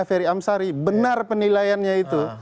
ferry amsari benar penilaiannya itu